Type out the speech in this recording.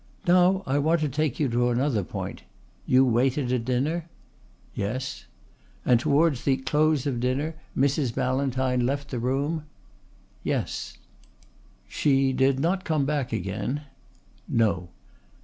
"Now I want to take you to another point. You waited at dinner?" "Yes." "And towards the close of dinner Mrs. Ballantyne left the room?" "Yes." "She did not come back again?" "No."